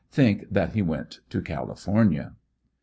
Think that he went to California.